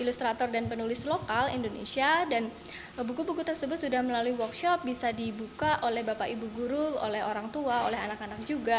ilustrator dan penulis lokal indonesia dan buku buku tersebut sudah melalui workshop bisa dibuka oleh bapak ibu guru oleh orang tua oleh anak anak juga